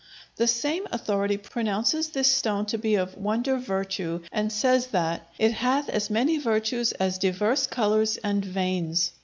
The same authority pronounces this stone to be of "wunder vertue," and says that "it hath as many vertues as dyvers coloures and veines."